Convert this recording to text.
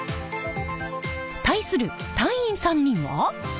対する隊員３人は？